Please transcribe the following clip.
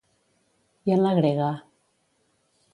I en la grega?